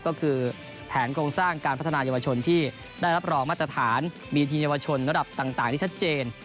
ก็คือแผนโครงสร้างการพัฒนายาวชนที่ได้รับรองมาตรฐานมีทีมเยาวชนระดับต่างที่ชัดเจน